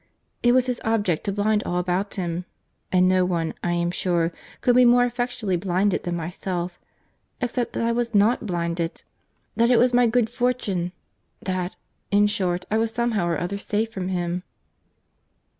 —It was his object to blind all about him; and no one, I am sure, could be more effectually blinded than myself—except that I was not blinded—that it was my good fortune—that, in short, I was somehow or other safe from him."